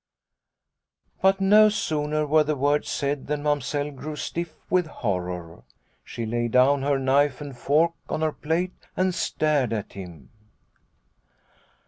'" But no sooner were the words said than Mamsell grew stiff with horror. She laid down her knife and fork on her plate and stared at him."